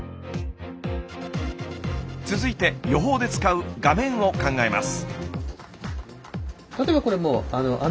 続いて予報で使う画面を考えます。